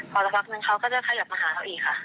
พอละวักหนึ่งเขาก็จะขยับมาหาเธออีกค่ะ